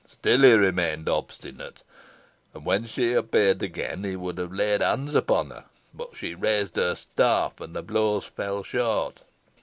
Still he remained obstinate, and, when she appeared again, he would have laid hands upon her. But she raised her staff, and the blows fell short.